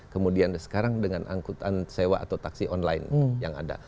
kemudian sekarang dengan angkutan sewa atau taksi online yang ada